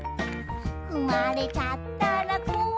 「ふまれちゃったらこわれちゃう」